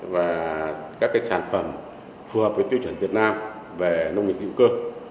và các cái sản phẩm phù hợp với tiêu chuẩn việt nam về nông nghiệp dịu cơ